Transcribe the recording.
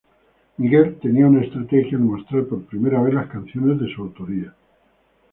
Miguel tenía una estrategia al mostrar por primera vez las canciones de su autoría.